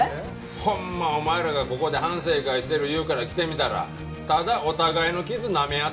ほんまお前らがここで反省会してるいうから来てみたらただお互いの傷なめ合っとるだけやないか！